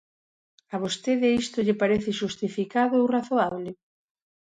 ¿A vostede isto lle parece xustificado ou razoable?